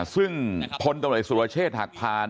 ซึ่งพลตำรวจเอกสุรเชษหากผ่าน